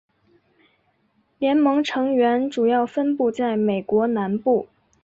联盟成员主要分布在美国南部。